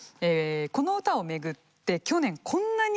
この歌を巡って去年こんなニュースが出ました。